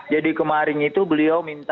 jadi kemarin itu beliau minta